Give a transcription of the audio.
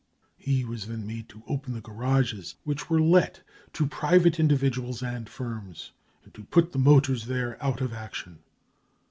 He was then made to open the garages, which were let to private individuals and films, and to put the motors there out of action.